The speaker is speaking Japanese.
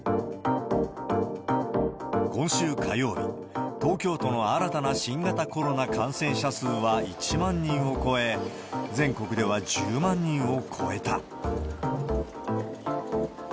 今週火曜日、東京都の新たな新型コロナ感染者数は１万人を超え、全国では１０万人を超えた。